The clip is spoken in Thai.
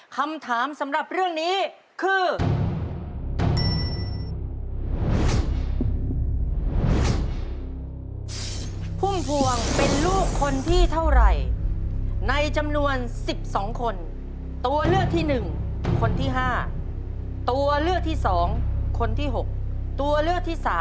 คำถามสำหรับเรื่องนี้คือ